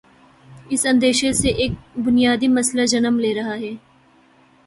اس اندیشے سے ایک بنیادی مسئلہ جنم لے رہاہے۔